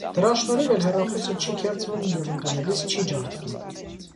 Դրա շնորհիվ էլ հեռախոսը չի քերծվում և ընկնելիս չի ջարդվում։